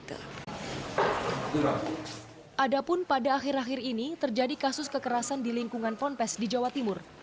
padahal pada akhir akhir ini terjadi kasus kekerasan di lingkungan pompes di jawa timur